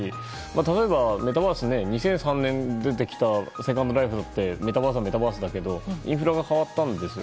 例えば、メタバース２００３年に出てきたセカンドライフだってメタバースはメタバースだけどインフラが変わったんですよ。